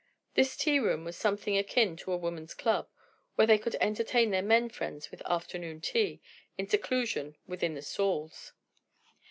This tea room was something akin to a woman's club, where they could entertain their men friends with afternoon tea, in seclusion within the stalls.